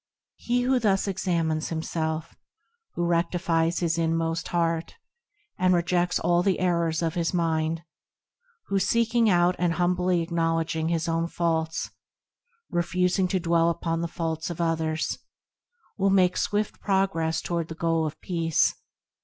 He who thus examines himself, Who rectifies his inmost heart, And rejects all the errors of his mind, Who, seeking out and humbly acknowledging his own faults, Refusing to dwell upon the faults of others, Will make swift progress toward the goal of peace.